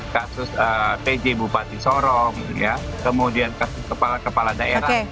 kasus pj bupati sorong kemudian kasus kepala kepala daerah